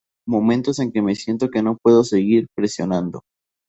Momentos en que me siento que no puedo seguir presionando.